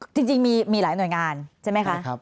จริงมีหลายหน่วยงานใช่ไหมคะ